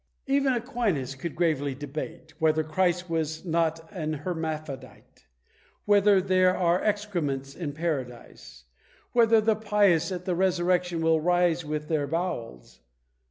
Even Aquinas could gravely debate, Whether Christ was not an hermaphrodite? Whether there are excrements in Paradise? Whether the pious at the resurrection will rise with their bowels?